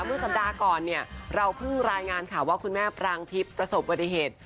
เมื่อสัปดาห์ก่อนเนี่ยเราเพิ่งรายงานข่าวว่าคุณแม่ปรางทิพย์ประสบปฏิเหตุ